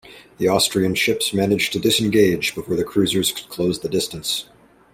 The Austrian ships managed to disengage before the cruisers could close the distance.